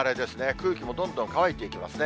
空気もどんどん乾いていきますね。